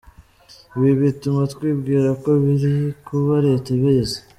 Ibi bituma twibwira ko ibiri kuba Leta ibizi”